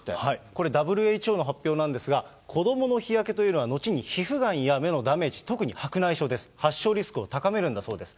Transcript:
これ、ＷＨＯの発表なんですが、子どもの日焼けというのは、後に皮膚がんや目のダメージ、特に白内障です、発症リスクを高めるんだそうです。